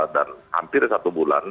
dan hampir satu bulan